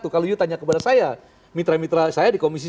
kalau you tanya kepada saya mitra mitra saya di komisi satu